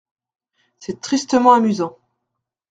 C’est tristement amusant.